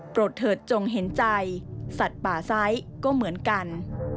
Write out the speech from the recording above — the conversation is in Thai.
โปรดเถิดจงเห็นใจสัตว์ป่าซ้ายก็เหมือนกัน